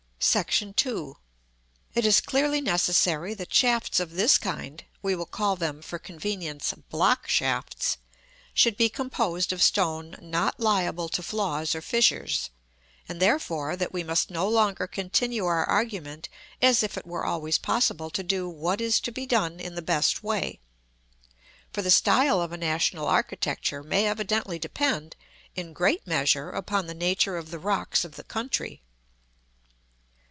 § II. It is clearly necessary that shafts of this kind (we will call them, for convenience, block shafts) should be composed of stone not liable to flaws or fissures; and therefore that we must no longer continue our argument as if it were always possible to do what is to be done in the best way; for the style of a national architecture may evidently depend, in great measure, upon the nature of the rocks of the country.